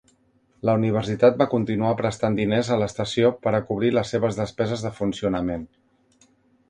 La universitat va continuar prestant diners a l'estació per a cobrir les seves despeses de funcionament.